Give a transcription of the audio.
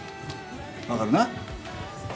分かるな？